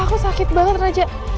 coba ganti konsepnya aja